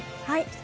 はい。